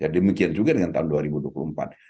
demikian juga dengan tahun dua ribu dua puluh empat